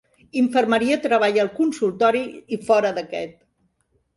Infermeria treballa al consultori i fora d'aquest.